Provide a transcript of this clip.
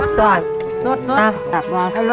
ก็ยังดีว่ามีคนมาดูแลน้องเติร์ดให้